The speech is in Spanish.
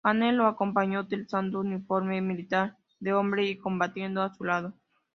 Jane lo acompañó, utilizando uniforme militar de hombre y combatiendo a su lado.